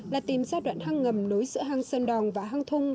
là tìm giai đoạn hang ngầm nối giữa hang sơn đòn và hang thung